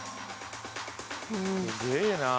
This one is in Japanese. すげえな。